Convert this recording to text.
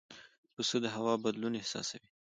پسه د هوا بدلون احساسوي.